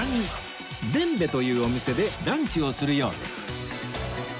傳米というお店でランチをするようです